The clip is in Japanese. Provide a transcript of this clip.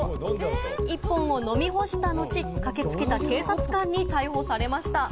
１本を飲み干した後、駆けつけた警察官に逮捕されました。